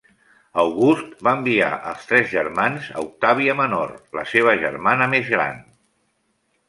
August va enviar els tres germans a Octàvia Menor, la seva germana més gran.